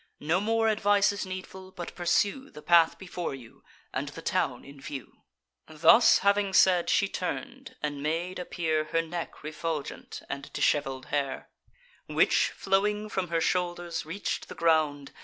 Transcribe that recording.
No more advice is needful; but pursue The path before you, and the town in view." Thus having said, she turn'd, and made appear Her neck refulgent, and dishevel'd hair, Which, flowing from her shoulders, reach'd the ground.